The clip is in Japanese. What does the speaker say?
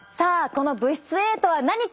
この物質Ａとは何か。